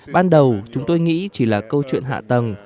ban đầu chúng tôi nghĩ chỉ là câu chuyện hạng